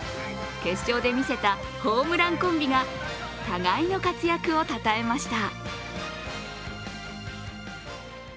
決勝で見せたホームランコンビが互いの活躍をたたえました。